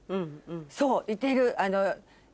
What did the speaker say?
そういてる。